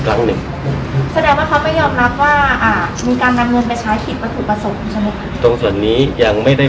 พี่แจงในประเด็นที่เกี่ยวข้องกับความผิดที่ถูกเกาหา